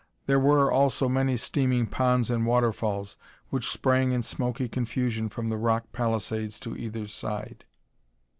There were, also, many steaming ponds and waterfalls which sprang in smoky confusion from the rock palisades to either side.